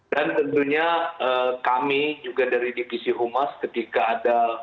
tentunya kami juga dari divisi humas ketika ada